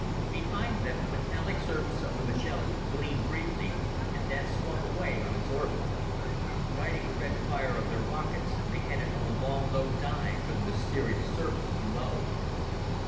Behind them, the metallic surface of the Magellan gleamed briefly, and then swung away on its orbit. Riding the red fire of their rockets, they headed on a long low dive for the mysterious surface below.